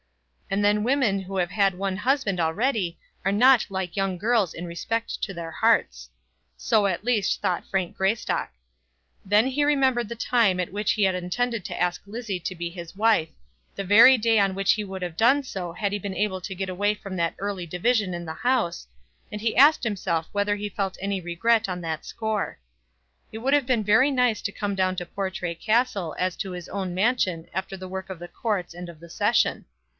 And then women who have had one husband already are not like young girls in respect to their hearts. So at least thought Frank Greystock. Then he remembered the time at which he had intended to ask Lizzie to be his wife, the very day on which he would have done so had he been able to get away from that early division at the House, and he asked himself whether he felt any regret on that score. It would have been very nice to come down to Portray Castle as to his own mansion after the work of the courts and of the session.